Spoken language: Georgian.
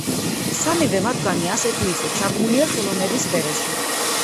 სამივე მათგანი ასე თუ ისე ჩაბმულია ხელოვნების სფეროში.